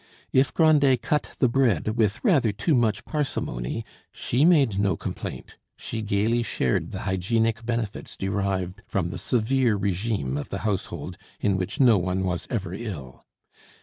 If Grandet cut the bread with rather too much parsimony, she made no complaint; she gaily shared the hygienic benefits derived from the severe regime of the household, in which no one was ever ill.